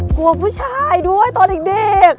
กลัวผู้ชายด้วยตอนเด็ก